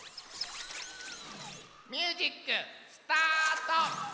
ミュージックスタート！